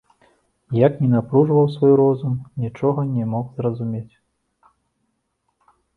Як ні напружваў свой розум, нічога не мог зразумець.